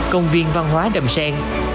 công viên văn hóa đầm sen